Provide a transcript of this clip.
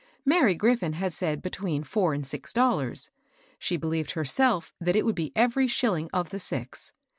Mary GriflBn had said between four and six dollars ; she believed herself that it would be every shilling of the six.